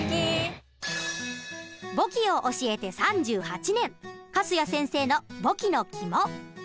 簿記を教えて３８年粕谷先生の簿記のキモ。